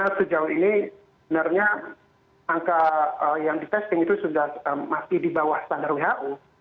karena sejauh ini benarnya angka yang di testing itu sudah masih di bawah standar who